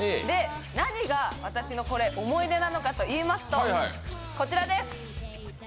何が私の思い出なのかといいますと、こちらです。